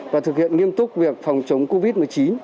và thực hiện nghiêm túc việc phòng chống covid một mươi chín